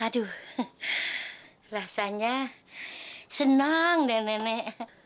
aduh rasanya senang nenek